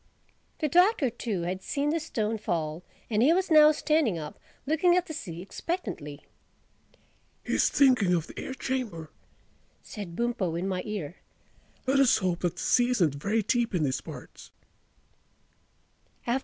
The Doctor too had seen the stone fall and he was now standing up looking at the sea expectantly. "He's thinking of the air chamber," said Bumpo in my ear. "Let us hope that the sea isn't very deep in these parts."